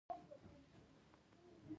غوږونه د اختر مبارکۍ خوښوي